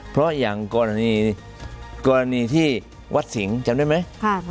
เพราะอย่างกรณีที่วัดสิงห์จำได้ไหม